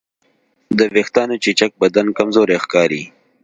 د وېښتیانو چپچپک بدن کمزوری ښکاري.